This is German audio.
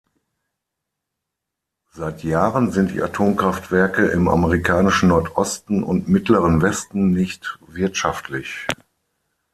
Seit Jahren sind die Atomkraftwerke im amerikanischen Nordosten und mittleren Westen nicht wirtschaftlich.